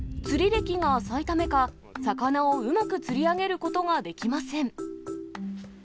釣り歴が浅いためか、魚をうまく釣り上げることができません。